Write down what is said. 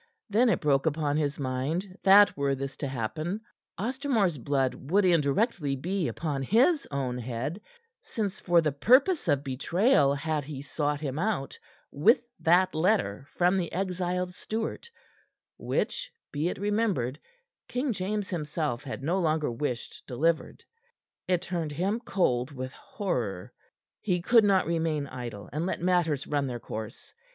Then it broke upon his mind that were this to happen, Ostermore's blood would indirectly be upon his own head, since for the purpose of betrayal had he sought him out with that letter from the exiled Stuart which, be it remembered, King James himself had no longer wished delivered. It turned him cold with horror. He could not remain idle and let matters run their course.